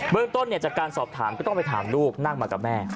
เรื่องต้นจากการสอบถามก็ต้องไปถามลูกนั่งมากับแม่